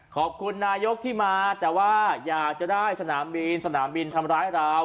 ขอบคุณนายกที่มาแต่ว่าอยากจะได้สนามบินสนามบินทำร้ายเรา